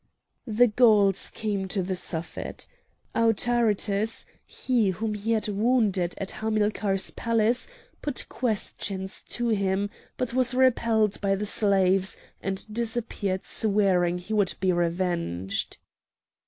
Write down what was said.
The Gauls came to the Suffet. Autaritus, he whom he had wounded at Hamilcar's palace, put questions to him, but was repelled by the slaves, and disappeared swearing he would be revenged.